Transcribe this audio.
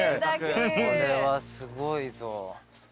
これはすごいぞ。